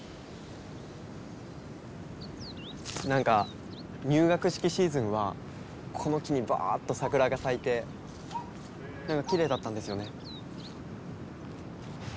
なんか入学式シーズンはこの木にバーッと桜が咲いてきれいだったんですよね。